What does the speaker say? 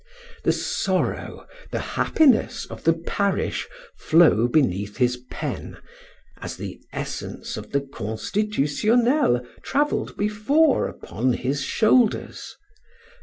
The sorrow, the happiness, of the parish flow beneath his pen as the essence of the Constitutionnel traveled before upon his shoulders.